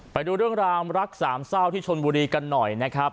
ไปดูเรื่องราวรักสามเศร้าที่ชนบุรีกันหน่อยนะครับ